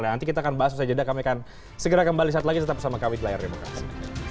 nanti kita akan bahas usaha jeda kami akan segera kembali saat lagi tetap bersama kami di layar demokrasi